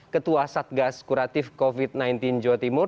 ketua satgas kuratif covid sembilan belas jawa timur